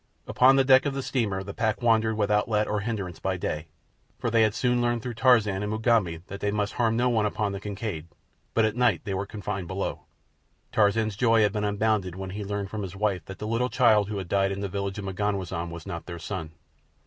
Upon the deck of the steamer the pack wandered without let or hindrance by day, for they had soon learned through Tarzan and Mugambi that they must harm no one upon the Kincaid; but at night they were confined below. Tarzan's joy had been unbounded when he learned from his wife that the little child who had died in the village of M'ganwazam was not their son.